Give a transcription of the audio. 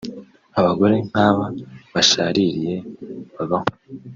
Abagore nk’aba bashaririye babaho